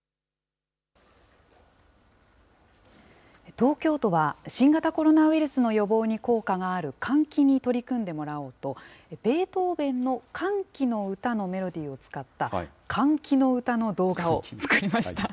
東京都は、新型コロナウイルスの予防に効果がある換気に取り組んでもらおうと、ベートーベンの歓喜の歌のメロディーを使った、換気の歌の動画を作りました。